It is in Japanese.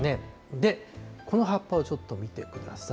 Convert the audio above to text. で、この葉っぱをちょっと見てください。